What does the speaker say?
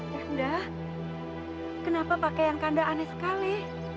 kanda kenapa pakaian kanda aneh sekali